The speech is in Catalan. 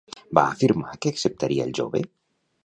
Va afirmar que acceptaria el jove?